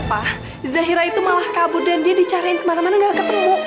pak zahira itu malah kabur dan dia dicariin kemana mana nggak ketemu papa